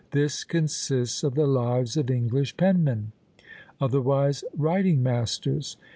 This consists of the lives of "English Penmen," otherwise writing masters!